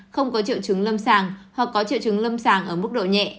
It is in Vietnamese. không có triệu chứng lâm sàng hoặc có triệu chứng lâm sàng ở mức độ nhẹ